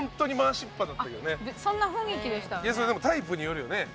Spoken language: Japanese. いやそれでもタイプによるよね。